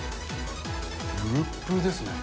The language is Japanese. ぷるっぷるですね。